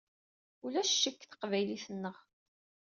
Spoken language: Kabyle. Ulac ccek deg teqbaylit-nneɣ.